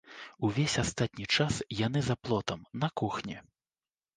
Увесь астатні час яны за плотам, на кухні.